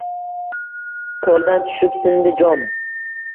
Qo’ldan tushib sindi jom.